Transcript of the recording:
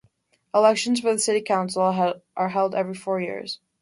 Elections for the city council are held every four years.